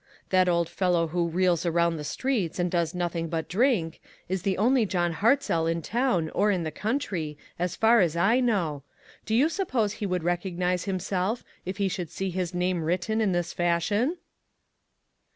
That old fellow who reels around the streets and does nothing but drink, is the only John Hartzell in town or in the county, so far as I know. Do 23O ONE COMMONPLACE DAY. you suppose he would recognize himself if he should see his name written in this fashion?"